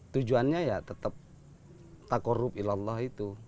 tujuannya ya tetap takorub ilallah itu